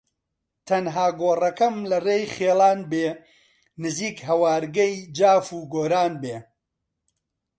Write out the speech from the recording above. تەنها گۆڕەکەم لە ڕێی خیڵان بێ نزیک هەوارگەی جاف و کۆران بێ